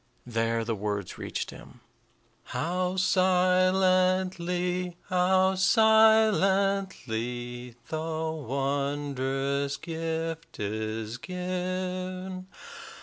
There the words reached him: "How silently, how silently, The wondrous gift is given!